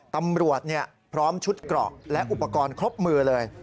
ตำรวจพร้อมชุดเกราะและอุปกรณ์ครบมือเลย